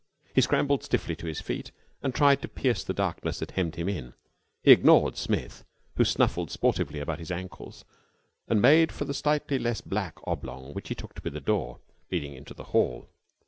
He scrambled stiffly to his feet and tried to pierce the darkness that hemmed him in. He ignored Smith, who snuffled sportively about his ankles, and made for the slightly less black oblong which he took to be the door leading into the hall.